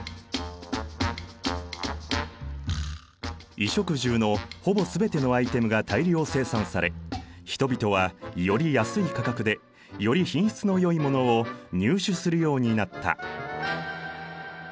衣食住のほぼ全てのアイテムが大量生産され人々はより安い価格でより品質のよいものを入手するようになった。